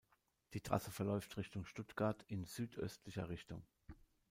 Die Trasse verläuft Richtung Stuttgart in südöstlicher Richtung.